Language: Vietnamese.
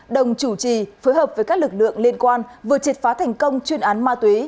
đồng chủ trì phối hợp với các lực lượng liên quan vừa triệt phá thành công chuyên án ma túy